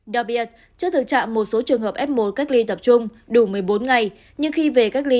đặc biệt trước thực trạng một số trường hợp f một cách ly tập trung đủ một mươi bốn ngày nhưng khi về cách ly